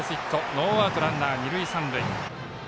ノーアウト、ランナー、二塁三塁。